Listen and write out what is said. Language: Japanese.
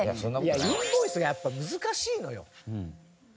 インボイスがやっぱ難しいのよ。